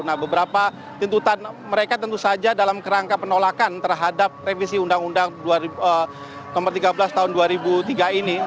nah beberapa tuntutan mereka tentu saja dalam kerangka penolakan terhadap revisi undang undang nomor tiga belas tahun dua ribu tiga ini